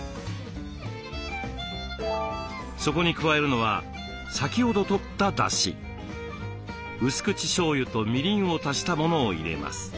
そこに加えるのは先ほどとっただしうす口しょうゆとみりんを足したものを入れます。